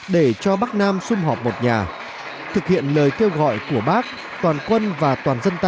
để cho bắc nam xung họp một nhà thực hiện lời kêu gọi của bác toàn quân và toàn dân ta